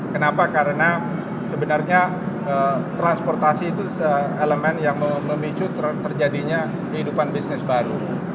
kenapa karena sebenarnya transportasi itu elemen yang memicu terjadinya kehidupan bisnis baru